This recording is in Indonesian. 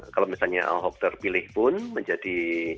kalau misalnya ahok terpilih pun menjadi